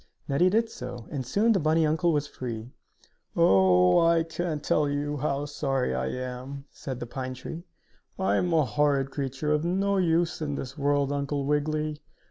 Neddie did so, and soon the bunny uncle was free. "Oh, I can't tell you how sorry I am," said the pine tree. "I am a horrid creature, of no use in this world, Uncle Wiggily!